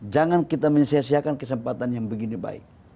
jangan kita mensiasiakan kesempatan yang begini baik